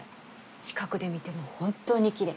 近くで見ても本当にきれい。